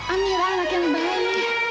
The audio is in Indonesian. amira anak yang baik